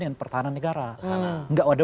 dengan pertahanan negara gak ada